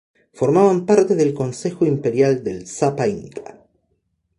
Formaban parte del Consejo imperial del Sapa Inca.